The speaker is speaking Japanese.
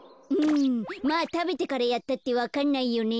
まあたべてからやったってわかんないよね。